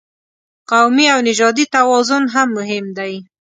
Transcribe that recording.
قومي او نژادي توازن هم مهم دی.